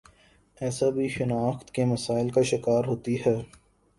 آسیہ بھی شناخت کے مسائل کا شکار ہوتی ہے